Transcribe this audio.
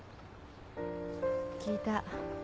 聞いた。